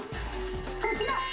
こちら！